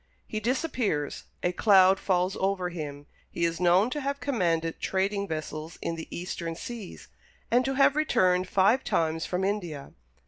He disappears; a cloud falls over him. He is known to have commanded trading vessels in the Eastern seas, and to have returned five times from India.